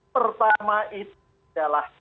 pertama itu adalah